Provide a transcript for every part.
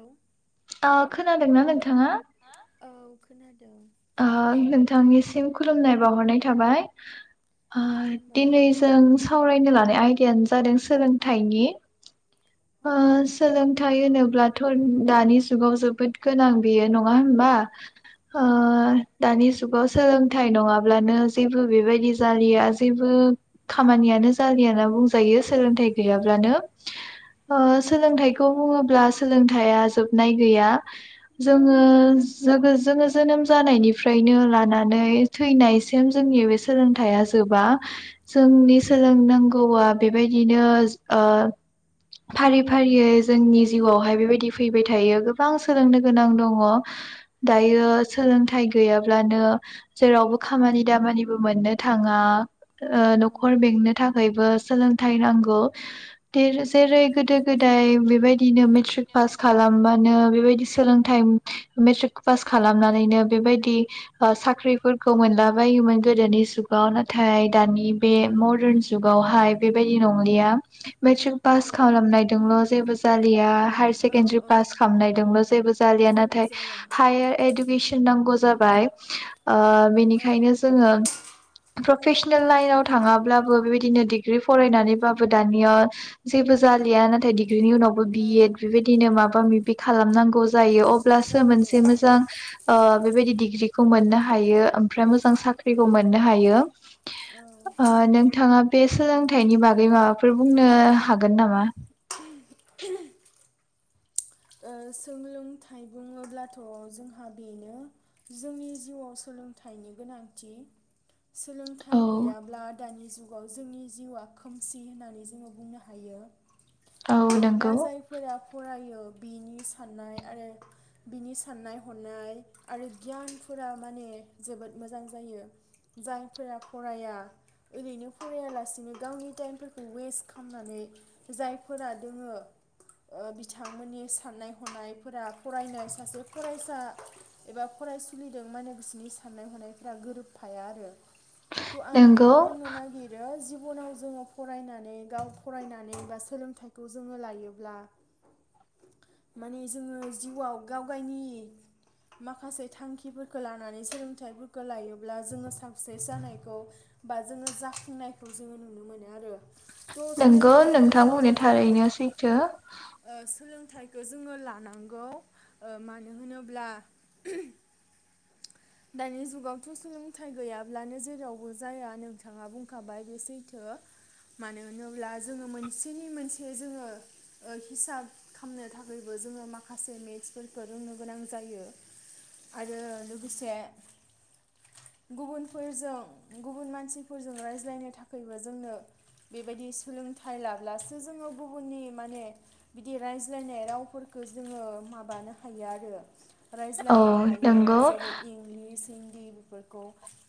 औ। ओ खोनादोंना नोंथाङा? औ खोनादों। ओ नोंथांनिसिम खुलुमनाय बावहरनाय थाबाय। ओ खुलुमबाय दिनै जों सावरायनो ला बे आयदायानो जादों सोलोंथाइनि औ ओ सोलोंथाइ होनोब्लाथ' दानि जुगाव जोबोद गोनां बेयो नङा होमबा? ओ औ दानि जुगाव सोलोंथाइ नङाब्लानो जेबो बेबायदि जालिया जेबो खामानियानो जालिया ओनना बुंजायो सोलोंथाइ गैयाब्लानो ओ सोलोंथाइखौ बुङोब्ला सोलोंथाइआ जोबनाय गैया जोङो जोगो जोनोम जानायनिफ्रायनो लानानै थैनायसिम जोंनि बे सोलोंथाइया जोबा। औ जोंनि नंगौ सोलोंनांगौआ बेबायदिनो ओ फारि फारियै जोंनि जिउआवहाय बेबायदि फैबाय थायो गोबां सोलोंनो गोनां दङ औ दायो नंगौ सोलोंथाइ गैयाब्ला नो जेरावबो खामानि दामानिबो मोननो थाङा ओ औ नखर बेंनो थाखायबो सोलोंथाइ नांगौ औ जेरै नंगौ गोदो गोदाय बेबायदिनो मेट्रिक पास खालामबानो बेदि सोलोंथाइ मेट्रिक पास खालाम औ लामनानैनो बेबायदि साख्रिफोरखौ मोनलाबायोमोन गोदोनि जुगाव नाथाय दानि बे मदारन जुगावहाय बेबायदि नंलिया मेट्रिक पास औ खालामनायदोंल जेबो जालिया हायर से औ केनद्रि औ पास खालामनायदोंबो जेबो जालिया जेबो नाथाय जाया हायार एदु नांगौ जाबाय ओ औ बेनिखायनो जोङो प्रफेशनेल लाइनाव थाङाब्लाबो बेबायदिनो डिग्रि फरायनानैबाबो दानिया जेबो जालिया नाथाय डिग्रिनि उनावबो बि औ एद बेबायदिनो माबा माबि खालामनांगौ जायो अ ब्लासो जायो मोनसे औ मोजां ओ बेबायदि डिग्रिखौ मोननो हायो ओमफ्राय मोजां साख्रिखौ मोननो हायो औ ओ नोंथाङा बे सोलोंथाइनि बागै माबाफोर बुंनो हागोन नामा? ओ सोलोंथाइ बुङोब्लाथ' जोंहा बेनो जोंनि जिउआव सोलोंथाइनि गोनांथि औ सोलोंथाइ गैयाब्ला दानि जुग जुगाव जोंनि जिउआ खोमसि होननानै जोङो बुंनो हायो। औ मानोना नंगौ जायफोरा फरायो बिनि साननाय आरो बिनि साननाय हनाय आरो गियानफोरा माने जोबोद मोजां जायो जायफोरा फराया ओरैनो फरायालासिनो गावनि टाइमफोरखौ वेस्ट खामनानै जायफोरा दोङो ओ बिथांमोननि साननाय हनायफोरा फरायनाय सासे फरायसा एबा फरायसुलिदों माने बिसिनि साननाय हनायफोरा गोरोबफाया आरो थ' आं नंगौ बेखौनो बुंनो नागिरो जि गुबुनाव जोङो फरायनानै गाव फरायनानै बा सोलोंथाइखौ जोङो लायोब्ला माने जोङो जिउआव गावगायनि माखासे थांखिफोरखौ लानानै सोलोंथाइफोरखौ लायोब्ला जोङो साक्सेस जानायखौ बा जोङो जाफुंनायखौ जोङो नुनो मोनो आरो थ' नोंगौ सोलोंथाइखौ नोंथां जोङो बुंनाया बयबो थारैनो सैथो ओ सोलोंथाइखौ जोङो लानांगौ ओ मानो होनोब्ला दानि जुगावथ सोलोंथाइ गैयाब्लानो जेरावबो जाया नोंथाङा बुंखाबाय बे सैथो मानो होनोब्ला जोङो मोनसेनि मोनसे जोङो ओ हिसाब खामनो थाखैबो जोङो माखासे मेटसफोरखौ रोंनो गोनां जायो आरो लोगोसे गुबुनफोरजों गुबुन मानसिफोरजों रायज्लायनो थाखैबो जोंनो बेबायदि सोलोंथाइ लाब्लासो जोङो गुबुननि माने बिद दि रायज्लायनाय रावफोरखौ जोङो माबानो हायो आरो औ रायज्लायनो हायो नंगौ जेरै इंलिस हिन्दी बेफोरखौ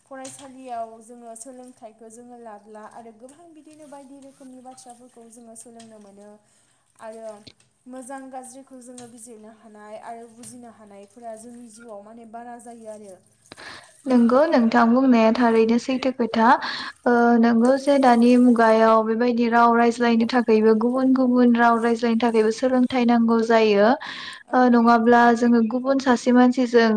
फरायसालियाव जोङो सोलोंथाइखौ जोङो लाब्ला आरो गोबां बिदिनो बायदि रोखोमनि बाथ्राफोरखौ जोङो सोलोंनो मोनो आरो मोजां गाज्रिखौ जोङो बिजिरनो हानाय आरो बुजिनो हानायफोरा जोंनि जिउआव माने बारा जायो आरो नंगौ नोंथां बुंनाया थारैनो सैथो खोथा ओ नोंगौ जे दानि मुगायाव बेबायदि राव रायज्लायनो थाखायबो गुबुन गुबुन राव रायज्लायनो थाखायबो सोलोंथायाइ नांगौ जायो ओ औ नङाब्ला जोङो गुब गुबुन सासे मानसिजों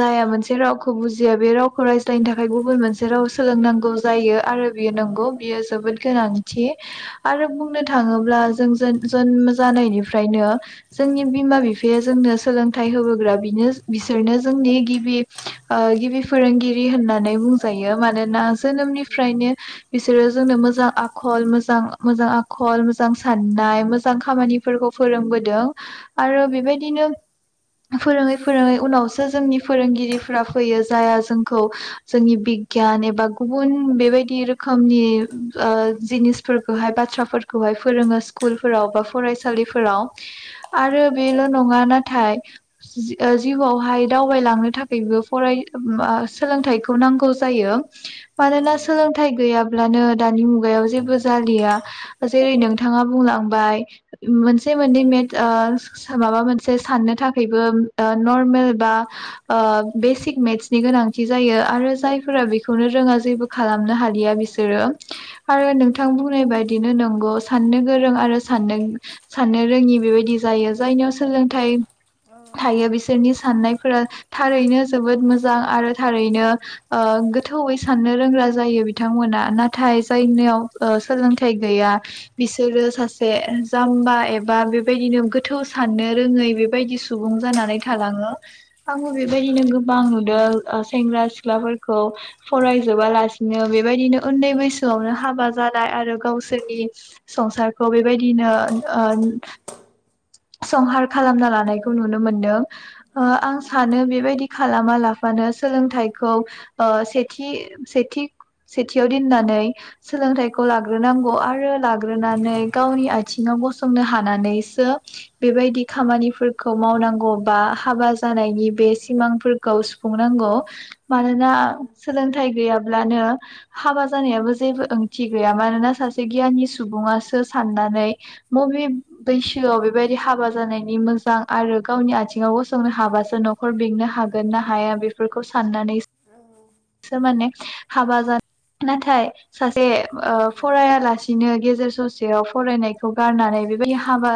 जाया मोनसे रावखौ बुजि जिया बे रावखौ रायज्लायनो थाखाय गुबुन मोनसे राव सोलोंनांगौ जायो आरो बेयो औ नंगौ बियो जोबोद गोनांथि आरो बुंनो थाङोब्ला जों जोन जोनोम जानायनिफ्रायनो जोंनि बिमा बिफाया जोंनो सोलोंथाइ होबोग्रा बिनो बिसोरनो जोंनि गिबि ओ गि बि फोरोंगिरि होननानै बुं औ जायो मानोना गिबि फोरोंगिरि जोनोमनिफ्रायनो बिसोरो जोंनो मोजां आखल मोजां मोजां आखल मोजां साननाय मोजां खामानिफोरखौ फोरोंबोदों आरो औ बेबायदिनो फोरोङै फोरोङै उनावसो जोंनि फोरोंगिरिफ्रा फैयो। जाया जोंखौ जोंनि बिगियान एबा गुबुन बेबायदि रोखोमनि ओ जिनिसफोरखौहाय बाथ्राफोरखौहाय फोरोङो स्कुलफोराव बा फरायसालिफोराव। औ आरो बेल' नङा नाथाय जि ओ जिउआवहाय दावबायलांनो थाखायबो फराय बा सोलोंथाइखौ नांगौ जायो। औ मानोना नंगौ सोलोंथाइ गैयाब ब्लानो दानि मुगायाव जेबो जालिया जेरै नोंथांङा बुंलांबाय मोनसे मोननै मेथो ओ माबा मोनसे साननो थाखायबो ओ‌ नरमेल बा ओ बेसिक मेथ्स नि गोनांथि जायो आरो जायफोरा बेखौनो रोंङा जेबो खालामनो हालिया बिसोरो आरो नोंथां बुंनाय बायदिनो नंगौ साननो गोरों आरो साननो साननो रोंङि बेबायदि जायो जायनियाव सोलोंथाइ औ थायो बिसोरनि साननाय [unintelligible] थारैनो जोबोद मोज जां आरो थारैनो ओ गोथौैयै साननो रोंग्रा जायो बिथांमोना नाथ थाय औ जायनियाव ओ सोलों फिथाय गैया बिसोरो सासे जाम्बा एबा बेबायदिनो गोथौ साननो रोङै बेबायदि सुबुं जानानै थालांङो। आंबो बेबायदिनो गोबां [unintelligible] ओ‌ सेंग्रा सिख्लाफोरखौ फरायजोबालासिनो बेबायदिनो उन्दै बैसोआवनो हाबा जानाय आरो गावसोरनि संसारखौ बेबायदिनो ओ संहार खालामना लानायखौ नुनो मोनदों। ओ औ आं सानो बेबायदि खालाम मालाब बानो सोलोंथाइखौ ओ सेथि सेथि सेथियाव दोननानै सोलोंथाइखौ लाग्रोनांगौ आरो लाग्रोनानै गावनि आथिंङाव गसंनो हानानैसो बेबायदि खामानिफोरखौ मावनांगौ बा हाबा जानायनि बे सिमांफोरखौ सुंनांगौ मानोना औ सोलोंथाइ गैयाब ब्लानो हाबा जानायाबो जेबो ओंथि गैया मानोना सासे गियानि सुबुंङासो साननानै बबे बैसोआव बेबायदि हाबा जानायनि मोजां आरो गावनि आथिंङाव गसंनो हाबासो न'खर बेंनो हागोन ना हाया बेफोरखौ साननानै सो माने हाबा जानाय नाथाय सासे ओ फरायालासिनो गेजेर ससेयाव फरायनायखौ गारनानै बेबायदि हाबा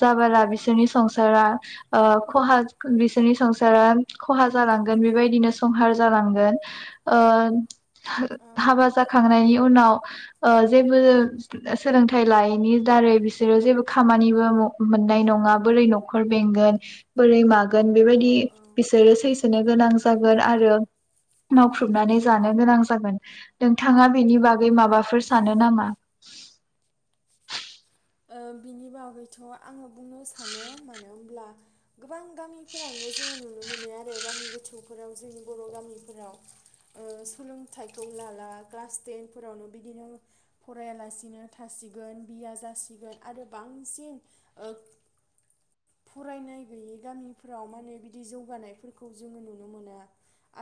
जाबोला बिसोरनि संसारा ओ खहा बिसोरनि संसारा खहा जालांगोन बेबायदिनो संहार जालांगोन ओ हो हाबा जाखांनायनि उनाव ओ जेबो सोलोंथाइ लायैनि दारै बिसोरो जेबो खामानिबो म मोननाय नंङा बोरै न'खर बेंगोन बोरै माग गोन औ बेबायदि बिसोरो सैसो गोनां जागोन आरो मावख्रुबनानै जानो गोनां जागोन नों थाङा बेनि औ बागै माबाफोर सानो नामा? [inaudible] ओ बिनि बागैथ आङो बुंनो सानो मानो होनोमब्ला गोबां गामिफोरावनो जोंङो नुनो मोनो आरो गामि गोथौफोराव जोंनि बर'गामिफोराव ओ सोलोंथाइखौ लाला क्लास टेन फोरावनो बिदिनो फरायालासिनो थासिगोन बिया जासि गोन आरो बांसिन ओ फरायनाय गैयै गामिफ्राव माने बिदि जौगानायफोरखौ जोंङो नुनो मोना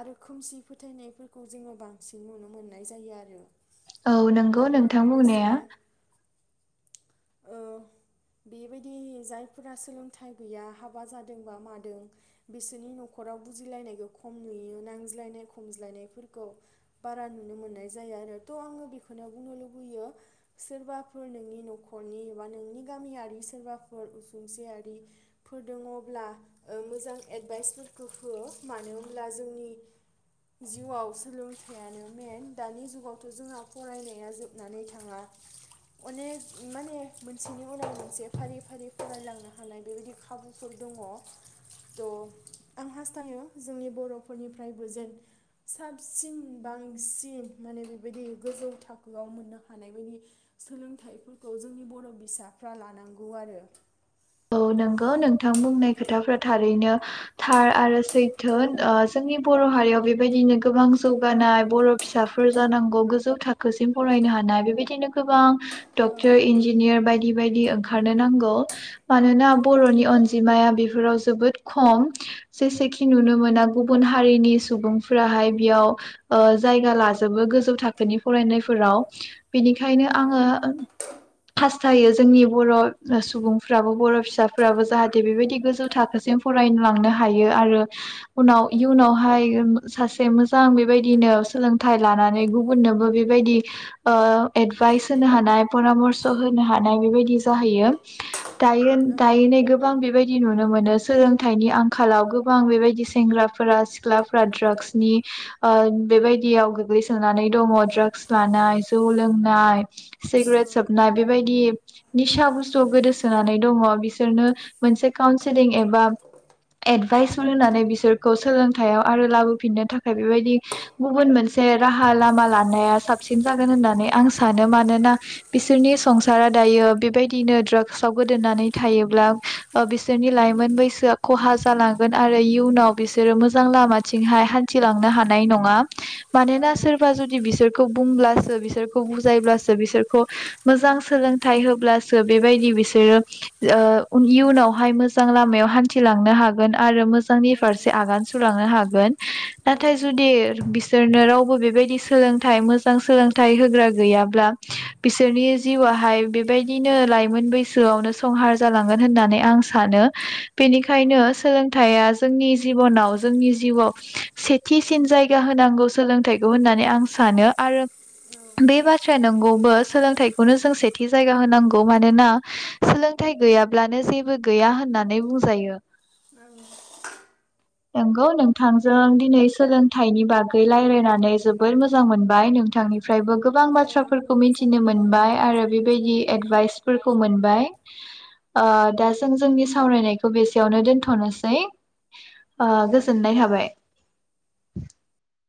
आरो खोमसि फोथायनायफोरखौ जोंङो बांसिन नुनो मोननाय जायो आरो। औ नंगौ आरो नोंथां बुंनाया। लोगोसे ओ बेबायदि जायफोरा सोलोंथाइ गैया हाबा जादोंबा मादों बिसोरनि न'खराव बुजिलायनायखो खम नुयो नांज्लायनाय खमज्लायनायफोरखौ बारा नुनो मोननाय जायो आरो थ आंङो बेखौनो बुंनो लुबैयो सोरबाफोर नोंनि न'खर नखरनि एबा नोंनि गामियारि सोरबाफोर उसुंसेयारिफोर दङब्ला मोजां एडभाइसफोरखौ हो मानो होनब्ला जोंनि जिउआव सोलोंथाइयानो मेन दानि जुगावथ जोंहा फरायनाया जोबनानै थाङा अनेक माने मोनसेनि उनाव मोनसे फारि फारि फरायलांनो हानाय बेबायदि खाबुफोर दङ थ आं हास्थायो जोंनि बर'फोरनिफ्रायबो जेन साबसिन बांसिन माने बेबायदि गोजौ थाखोआव मोननो हानाय बायदि सोलोंथाइफोर खौ जोंनि बर' बिसाफ्रा लानांगौ आरो। औ नंगौ नोंथां बुंनाय खोथाफ्रा थारैनो थार आरो सैथो ओ जोंनि बर' हारियाव बेबायदिनो गोबां जौगानाय बर' फिसाफोर जानांगौ गोजौ थाखोसिम फरायनो हानाय बेबायदिनो गोबां औ डक्टर इन्जिनियार बायदि बायदि ओंखारनो नांगौ। मानोना बर'नि अनजिमाया बेफोराव जोबोद खम जेसेखि नुनो मोना गुबुन हारिनि सुबुंफोराहाय बेयाव ओ जायगा लाजोबो गोजौ थाखोनि फरायनायफोराव बेनिखायनो औ आङो जायो जोंनि बर' सुबुं फ्राबो बर' फिसाफ्राबो जाहाथे बेबायदि गोजौ थाखोसिम फरायलांनो हायो आरो उनाव औ इयुनावहाय सासे से मोजां बेबायदिनो सोलोंथाइ लानानै गुबुननोबो बेबायदि ओ एडभाइस होनो हानाय परामर्स होनो हानाय बेबायदि जाहैयो। दायो दाय नै गोबां बेबायदि बिदि नुनो मोनो सोलोंथाइनि आंखालाव गोबां बेबायदि सेंग्राफोरा सिख्लाफोरा ड्राग्सनि ओ बेबायदियाव गोग्लैसोनानै दङ ड्रागस लानाय जौ लोंनाय। सिग्रेट औ सोबनाय बेबायदि निसा बुसतुआव गोदोस सोनानै दङ बिसोरनो मोनसे कावनसिलिं एबा एडभाइस होननानै बिसोरखौ सोलोंथायाव आरो लाबोफिननो थाखाय बेबायदि गुबन मोनसे राहा लामा लानाया साब सिन जागोन होननानै आं सानो मानोना बिसोरनि संसारा दायो बेबायदिनो द्रागस साव गोदोनानै थायोब्ला ओ बिसोरनि लाइमोन बैसोआ खहा जालांगोन आरो इयुनाव बिसोरो मोजां लामाथिंहाय हान्थिलांनो हानाय नङा। औ मानोना सोरबा जुदि बिसोर खौ बुंब्लासो बिसोरखौ बुजायब्लासो बिसोरखौ मोजां सोलोंथाइ होब्लासो बेबायदि बि सोरो ओ उनिउनावहाय मोजां लामायाव हान्थिलांनो होगोन आरो मो [unintelligible] औ फारसे आगान सुरलांनो हा गोन औ औ नाथाय जुदि बिस सोरनो रावबो बेबायदि सोलोंथाइ मोजां सोलोंथाइ होग्रा गैयाब्ला बिसोरनि जिउआहाय बेबायदिनो लाइमोन बै सोआवनो संहार जालांगोन होननानै आं सानो। बेनिखायनो सोलोंथाइया जोंनि जिबनाव जोंनि जिउआव सेथिसिन जायगा होनांगौ सोलोंथाइखौ होननानै आं सानो आरो बे आं बाथ्रा नं [unintelligible] सोलोंथाइखौनो जों सेथि जायगा होनांगौ मानोना सोलोंथाइ गैयाब्लानो जेबो गैया होननानै बुंजायो। [unintelligible] नंगौ नोंथांजों दिनै सोलोंथाइनि बागै रायलायनानै जोबोर मोजां मोनबाय नोंथांनि फ्रायबो गोबां औ आंबो बाथ्राफोरखौ मोजां मिथिनो मोनबाय आरो नोंथांजों बेबायदि रायज्लायनानै एडभाइसफोरखौ बाय ओ दा जों जोंनि सावरायनायखौ बेसेयावनो दोनथनोसै ओ औ दे गोसो [unintelligible]